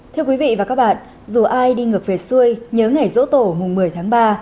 thưa quý vị và các bạn dù ai đi ngược về xuôi nhớ ngày rỗ tổ mùng một mươi tháng ba